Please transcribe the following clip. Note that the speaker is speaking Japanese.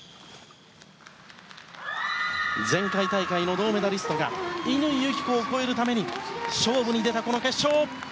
前回大会の銅メダリストが乾友紀子を超えるために勝負に出たこの決勝。